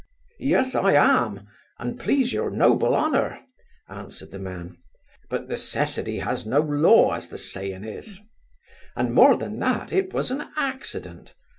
'Yes, I am, an please your noble honour (answered the man) but necessity has no law, as the saying is And more than that, it was an accident.